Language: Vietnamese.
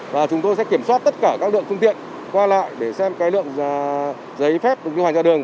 và chúng tôi sẽ kiểm soát tất cả các lượng trung tiện qua lại để xem lượng giấy phép đồng thời hoàn trang đường